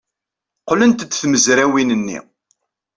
Qqlent-d tmezrawin-nni.